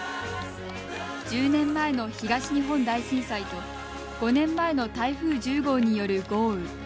１０年前の東日本大震災と５年前の台風１０号による豪雨。